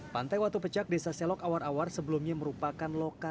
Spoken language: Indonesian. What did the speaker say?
pantai watu pecak desa selok awar awar sebelumnya merupakan lombang yang terkenal